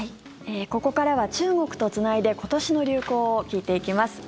ここからは中国とつないで今年の流行を聞いていきます。